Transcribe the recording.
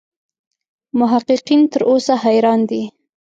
محققین تر اوسه حیران دي.